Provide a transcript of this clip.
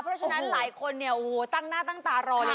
เพราะฉะนั้นหลายคนตั้งหน้าตั้งตารอเลย